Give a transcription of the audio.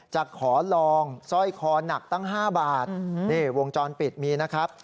จะขอลองสร้อยคอหนักตั้ง๕บาทนี่วงจรปิดมีนะครับ